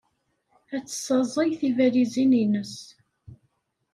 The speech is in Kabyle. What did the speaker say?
Ad tessaẓey tibalizin-nnes.